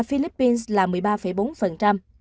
philippines gần một mươi ba bốn